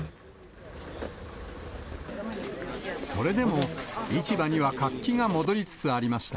それでも、市場には活気が戻りつつありました。